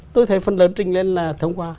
tôi thấy phần lớn trình lên là thông qua